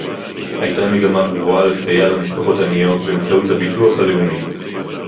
היתה מגמה ברורה לסייע למשפחות עניות באמצעות הביטוח הלאומי